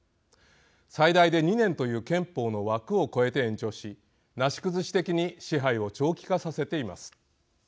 最大で２年という憲法の枠を超えて延長しなし崩し的に支配を長期化させています。